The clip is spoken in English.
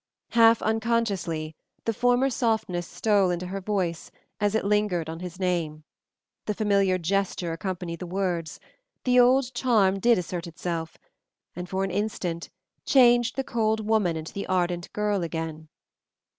Half unconsciously, the former softness stole into her voice as it lingered on his name. The familiar gesture accompanied the words, the old charm did assert itself, and for an instant changed the cold woman into the ardent girl again.